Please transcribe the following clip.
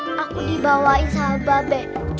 nih aku dibawain sama babay